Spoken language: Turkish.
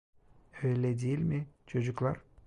Öyle değil mi çocuklar?